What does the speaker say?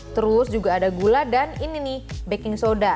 terus juga ada gula dan ini nih baking soda